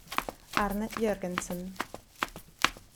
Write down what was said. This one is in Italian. Arne Jørgensen